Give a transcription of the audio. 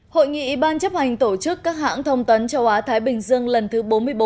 hội nghị ban chấp hành tổ chức các hãng thông tấn châu á thái bình dương lần thứ bốn mươi bốn